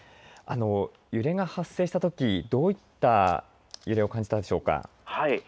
揺れが発生したとき、どういった揺れを感じたのでしょうか。